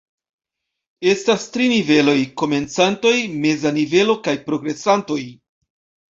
Estas tri niveloj: komencantoj, meza nivelo kaj progresantoj.